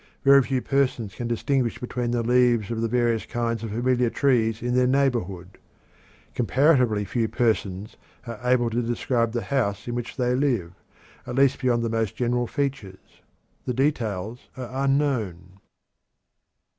Very few persons can distinguish between the leaves of the various kinds of familiar trees in their neighborhood. Comparatively few persons are able to describe the house in which they live, at least beyond the most general features the details are unknown.